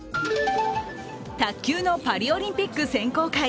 卓球のパリオリンピック選考会。